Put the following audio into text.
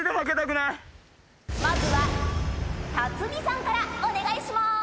まずは辰巳さんからお願いします。